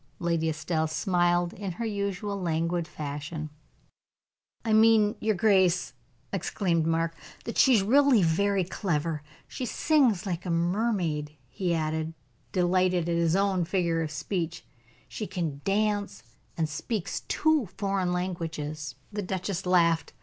Lady Estelle smiled in her usual languid fashion. "I mean, your grace," exclaimed Mark, "that she is really very clever. She sings like a mermaid," he added, delighted at his own figure of speech; "she can dance, and speaks two foreign languages." The duchess laughed.